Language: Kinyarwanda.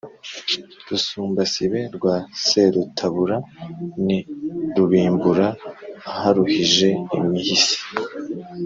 Rusumbasibe rwa Serutabura ni Rubimbura-aharuhije-imihisi